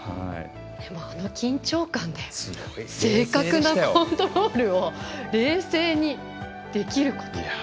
あの緊張感で正確なコントロールを冷静にできること。